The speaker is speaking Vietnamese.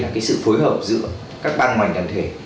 cái sự phối hợp giữa các ban ngoành đảm thể